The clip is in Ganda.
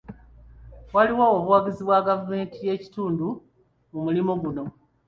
Waliwo obuwagizi bwa gavumenti y'ekitundu mu mulimu guno?